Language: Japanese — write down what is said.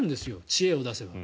知恵を出せば。